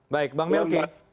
baik bang melky